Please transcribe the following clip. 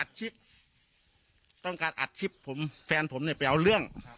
ต้องการอัดคลิปผมแฟนผมเนี่ยไปเอาเรื่อง